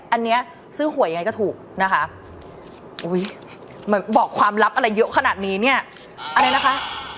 อันนี้ซื้อหวยยังไงก็ถูกนะคะอุ้ยเหมือนบอกความลับอะไรเยอะขนาดนี้เนี่ยอะไรนะคะ